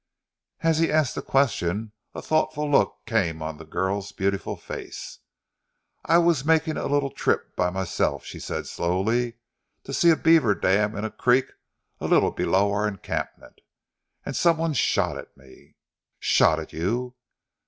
As he asked the question a thoughtful look came on the girl's beautiful face. "I was making a little trip by myself," she said slowly, "to see a beaver dam in a creek a little below our encampment, and some one shot at me!" "Shot at you!"